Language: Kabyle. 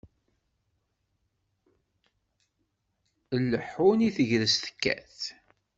Ileḥḥun i tegrest tekkat.